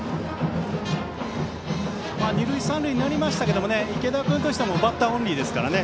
二塁三塁になりましたけど池田君としてはバッターオンリーですからね。